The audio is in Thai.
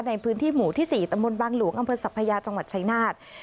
ในพื้นที่หมู่ที่๔ตำบลบางหลวงอำเภอสัพพยาจังหวัดชายนาฏ